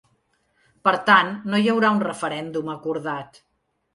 Per tant no hi haurà un referèndum acordat.